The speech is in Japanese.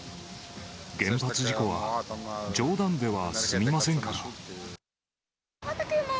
原発事故は冗談では済みませんから。